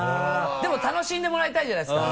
でも楽しんでもらいたいじゃないですか。